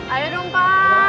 aduh dong pak